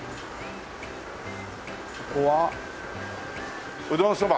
ここは「うどんそば」。